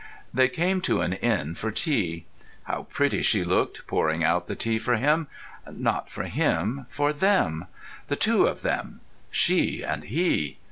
They came to an inn for tea. How pretty she looked pouring out the tea for him—not for him, for them; the two of them. She and he!